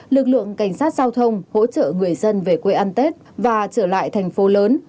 lực lượng cảnh sát giao thông hỗ trợ người dân về quê ăn tết và trở lại thành phố lớn